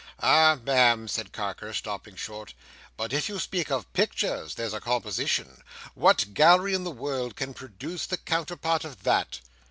"Ah, Ma'am!" said Carker, stopping short; "but if you speak of pictures, there's a composition! What gallery in the world can produce the counterpart of that?"